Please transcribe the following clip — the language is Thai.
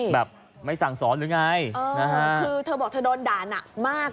แบบไม่สั่งสอนหรือไงคือเธอบอกเธอโดนด่าหนักมาก